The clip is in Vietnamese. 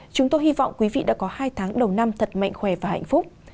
chúng tôi hy vọng quý vị đã có hai tháng đầu năm thật mạnh khỏe và hạnh phúc